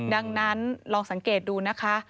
ดังนั้นลองสังเกตดูนะคะ